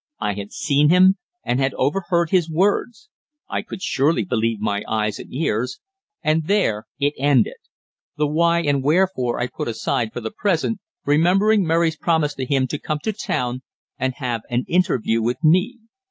I had seen him, and had overheard his words. I could surely believe my eyes and ears. And there it ended. The why and wherefore I put aside for the present, remembering Mary's promise to him to come to town and have an interview with me.